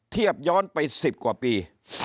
เทียบย้อนไป๑๐กว่าปี